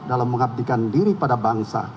dalam mengabdikan diri pada bangsa